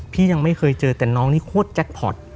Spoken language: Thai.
ยังไม่เคยเจอแต่น้องนี่โคตรแจ็คพอร์ต